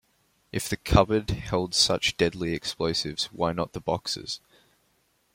If the cupboard held such deadly explosives, why not the boxes?